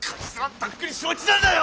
とっくに承知なんだよ！